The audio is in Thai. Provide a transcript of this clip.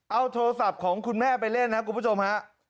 เอาโทรศัพท์ของคุณแม่ไปเล่นครับคุณผู้ชมฮะ